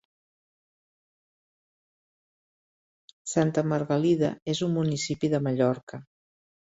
Santa Margalida és un municipi de Mallorca.